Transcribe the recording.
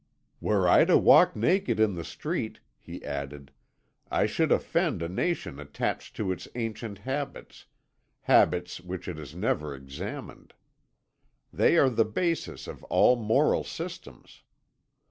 "Were I to walk naked in the street," he added, "I should offend a nation attached to its ancient habits, habits which it has never examined. They are the basis of all moral systems.